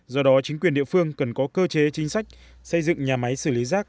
do đó chính quyền địa phương cần có cơ chế chính sách xây dựng nhà máy xử lý rác